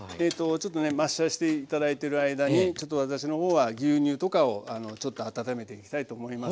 ちょっとねマッシャーして頂いてる間にちょっと私の方は牛乳とかをちょっと温めていきたいと思います。